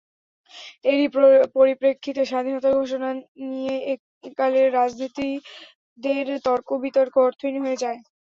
এরই পরিপ্রেক্ষিতে স্বাধীনতার ঘোষণা নিয়ে একালের রাজনীতিকদের তর্কবিতর্ক অর্থহীন হয়ে যায়।